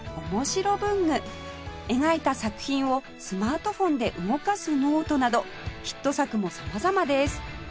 描いた作品をスマートフォンで動かすノートなどヒット作も様々です